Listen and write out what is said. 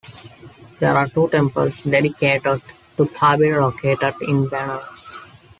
There are two temples dedicated to Kabir located in Benares.